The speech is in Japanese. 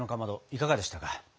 いかがでしたか？